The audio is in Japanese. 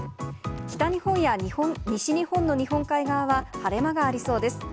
北日本や西日本の日本海側は晴れ間がありそうです。